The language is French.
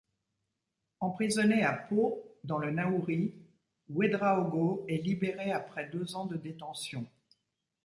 Emprisonné à Pô, dans le Nahouri, Ouédraogo est libéré après deux ans de détention.